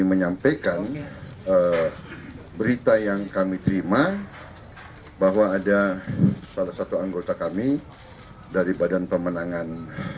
menyampaikan berita yang kami terima bahwa ada salah satu anggota kami dari badan pemenangan